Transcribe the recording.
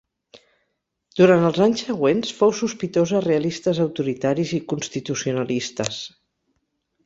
Durant els anys següents fou sospitós a realistes autoritaris i constitucionalistes.